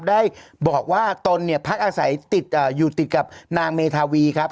ได้บอกว่าตนเนี่ยพักอาศัยติดอยู่ติดกับนางเมธาวีครับ